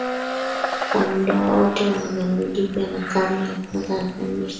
kwa muda wote wa Agano Jipya na karne ya kwanza ya Kanisa